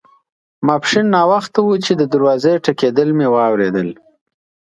ماپښین ناوخته وو چې د دروازې ټکېدل مې واوریدل.